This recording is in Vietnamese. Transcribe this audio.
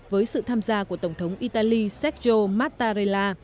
với sự tham gia của tổng thống italy sergio mattarella